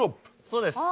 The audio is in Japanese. そうです。